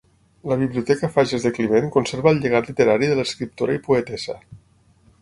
La Biblioteca Fages de Climent conserva el llegat literari de l'escriptora i poetessa.